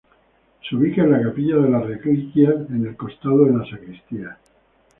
Se ubica en la Capilla de las Reliquias en el costado de la sacristía.